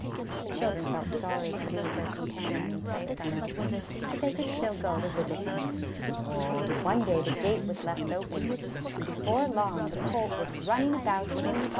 The children felt sorry to lose their com panion and playfellow, but they could still go to visit him. One day the gate was left open, and before long the colt was running about in the gar 166 ABOUT A COLT.